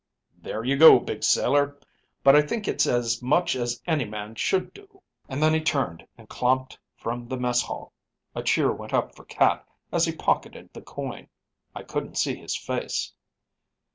'There you go, Big Sailor. But I think it's as much as any man should do.' And then he turned and clomped from the mess hall. A cheer went up for Cat as he pocketed the coin; I couldn't see his face.